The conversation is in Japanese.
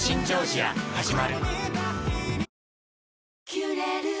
「キュレル」